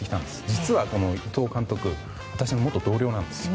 実は、この伊藤監督私の元同僚なんですよ。